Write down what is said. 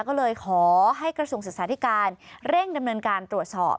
ก็เลยขอให้กระทรวงศึกษาธิการเร่งดำเนินการตรวจสอบ